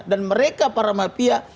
dan mereka para mafia